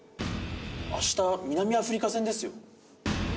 あした南アフリカ戦ですよ。